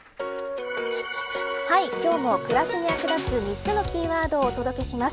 今日も暮らしに役立つ３つのキーワードをお届けします。